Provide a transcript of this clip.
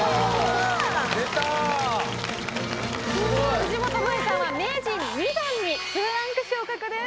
辻元舞さんは名人２段に２ランク昇格です。